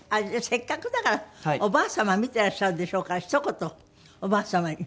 せっかくだからおばあ様見てらっしゃるでしょうからひと言おばあ様に。